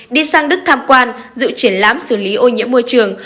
đi sang đức tham quan dự triển lãm xử lý ô nhiễm môi trường